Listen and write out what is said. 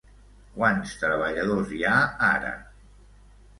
Quants treballadors hi ha ara?